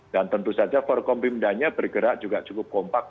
dan tentu saja for kompim danya bergerak juga cukup kompak